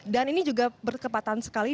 dan ini juga berkepatan sekali